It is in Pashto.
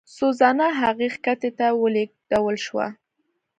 سوزانا هغې کښتۍ ته ولېږدول شوه.